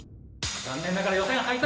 残念ながら予選敗退。